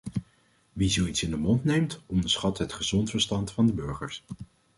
Wie zoiets in de mond neemt onderschat het gezond verstand van de burgers.